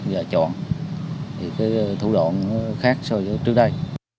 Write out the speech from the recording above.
và chọn thì cứ thu đoạn khác so với trước đây